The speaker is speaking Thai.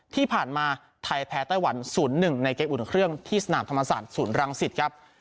ที่ผ่านมาไทยแพ้ไต้หวัน๐๑ในเกมอุ่นเครื่องที่สนามธรรมศาสตร์ศูนย์รังสิตครับ